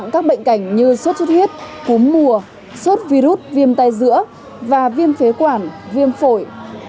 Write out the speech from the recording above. khoa nhi bệnh viện thanh nhàn hà nội